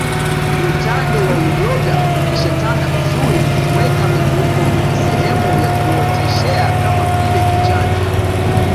Utando wa uyoga ukishatanda vizuri weka mifuko kwenye sehemu ya kuoteshea kama vile kichanja